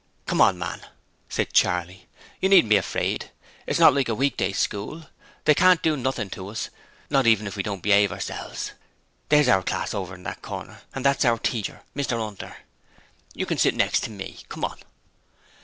'Come on, man,' said Charley. 'You needn't be afraid; it's not like a weekday school; they can't do nothing to us, not even if we don't behave ourselves. There's our class over in that corner and that's our teacher, Mr Hunter. You can sit next to me. Come on!'